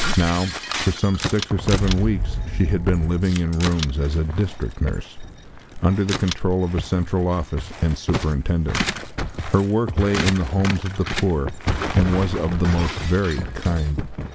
Now, for some six or seven weeks she had been living in rooms, as a district nurse, under the control of a central office and superintendent. Her work lay in the homes of the poor, and was of the most varied kind.